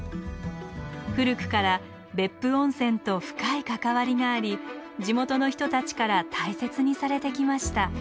古くから別府温泉と深い関わりがあり地元の人たちから大切にされてきました。